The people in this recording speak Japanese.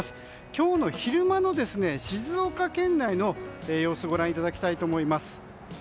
今日の昼間の静岡県内の様子をご覧いただきましょう。